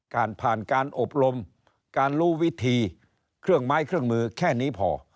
ผ่านการอบรมการรู้วิธีเครื่องไม้เครื่องมือแค่นี้พอ